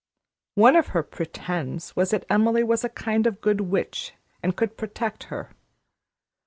One of her "pretends" was that Emily was a kind of good witch and could protect her.